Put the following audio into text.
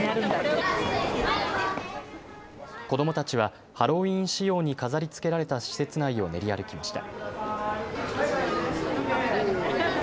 子どもたちはハロウィーン仕様に飾りつけられた施設内を練り歩きました。